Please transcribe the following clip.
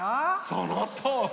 そのとおり。